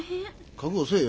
覚悟せえよ。